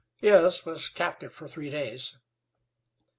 "Yes; was captive for three days."